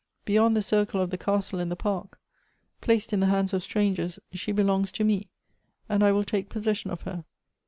Beyond the circle of. the castle and the park, placed in the hands of strangers, she belongs to me, and I will take possession of her